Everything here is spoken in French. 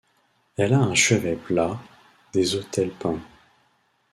Elle a un chevet plat, des autels peints.